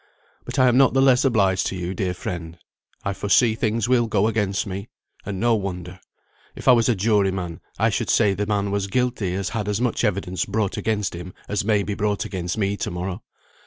But I am not the less obliged to you, dear friend. I foresee things will go against me and no wonder. If I was a jury man, I should say the man was guilty as had as much evidence brought against him as may be brought against me to morrow.